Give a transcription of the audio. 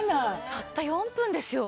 たった４分ですよ。